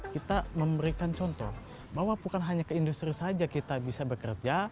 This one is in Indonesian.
kita memberikan contoh bahwa bukan hanya ke industri saja kita bisa bekerja